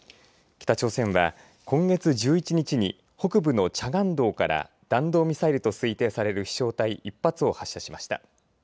北朝鮮は今月１１日に北部のチャガン道から弾道ミサイルと推定される飛しょう体１発を発射しました。